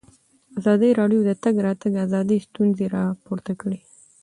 ازادي راډیو د د تګ راتګ ازادي ستونزې راپور کړي.